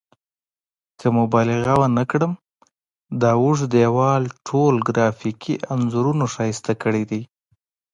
که مبالغه ونه کړم دا اوږد دیوال ټول ګرافیکي انځورونو ښایسته کړی دی.